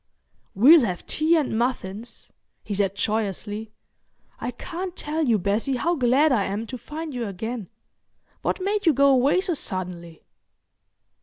"We'll have tea and muffins," he said joyously. "I can't tell you, Bessie, how glad I am to find you again. What made you go away so suddenly?"